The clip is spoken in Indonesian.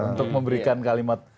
untuk memberikan kalimat